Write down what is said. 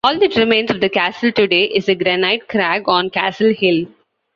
All that remains of the castle today is a granite crag on Castle Hill.